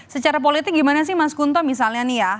secara politik gimana sih mas kunto misalnya nih ya